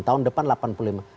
tahun depan delapan puluh lima